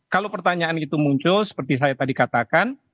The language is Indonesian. kalau pertanyaan itu muncul seperti saya tadi katakan